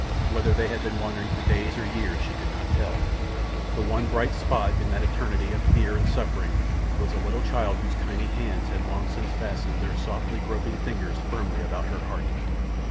Whether they had been wandering for days or years she could not tell. The one bright spot in that eternity of fear and suffering was the little child whose tiny hands had long since fastened their softly groping fingers firmly about her heart.